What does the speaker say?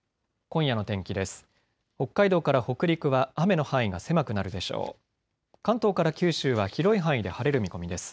今夜の天気です。